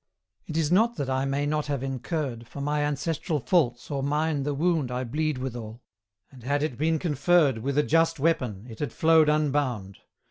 It is not that I may not have incurred For my ancestral faults or mine the wound I bleed withal, and had it been conferred With a just weapon, it had flowed unbound.